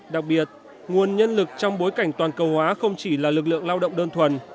đặc biệt nguồn nhân lực trong bối cảnh toàn cầu hóa không chỉ là lực lượng lao động đơn thuần